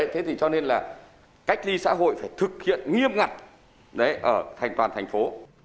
thế thì cho nên là cách ly xã hội phải thực hiện nghiêm ngặt ở thành toàn thành phố